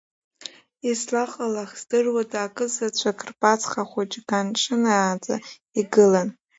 Излаҟалах здыруада, акызаҵәык рԥацха хәыҷы ганҿынааӡа игылан.